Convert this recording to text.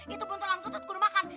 itu buntetan kudu makan